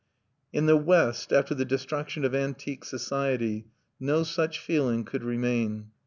In the West, after the destruction of antique society, no such feeling could remain.